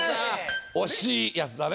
惜しいやつだね。